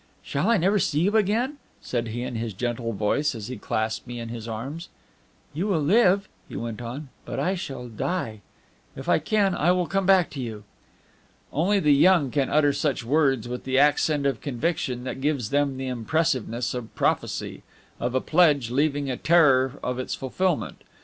"Shall I ever seen you again?" said he in his gentle voice, as he clasped me in his arms. "You will live," he went on, "but I shall die. If I can, I will come back to you." Only the young can utter such words with the accent of conviction that gives them the impressiveness of prophecy, of a pledge, leaving a terror of its fulfilment.